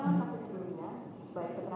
kemudian dari ketika